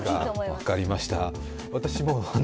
分かりました。